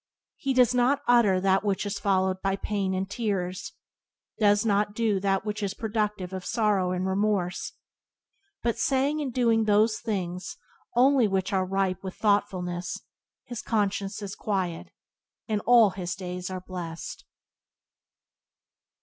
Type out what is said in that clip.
He does not utter that which is followed by pain and tears; does not do that which is productive of sorrow and remorse. But, saying and doing those things only which are ripe with thoughtfulness, his conscience is quiet, and all his days are blessed.